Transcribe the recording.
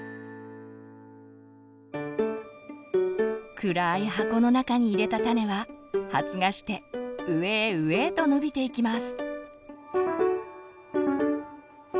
暗い箱の中に入れた種は発芽して上へ上へと伸びていきます。